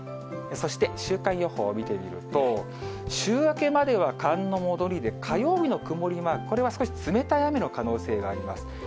そして週間予報を見てみると、週明けまでは寒の戻りで火曜日の曇りマーク、これは少し冷たい雨の可能性があります。